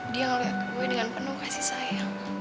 dia melihat gue dengan penuh kasih sayang